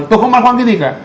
tôi không băn khoăn cái gì cả